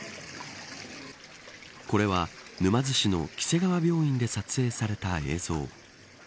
これは沼津市のきせがわ病院で撮影された映像。